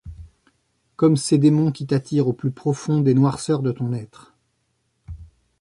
Comme ces démons qui t'attirent au plus profond des noirceurs de ton être.